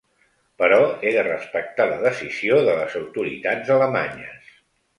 Però he de respectar la decisió de les autoritats alemanyes.